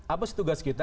apa sih tugas kita